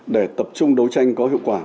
để tập trung đấu tranh có hiệu quả